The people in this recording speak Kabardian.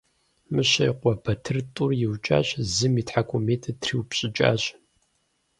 Мыщэ и къуэ Батыр тӀур иукӀащ, зым и тхьэкӀумитӀыр триупщӀыкӀащ.